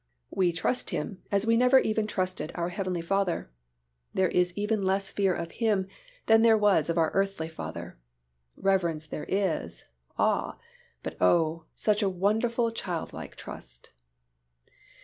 We trust Him as we never even trusted our earthly Father. There is even less fear of Him than there was of our earthly father. Reverence there is, awe, but oh! such a sense of wonderful childlike trust.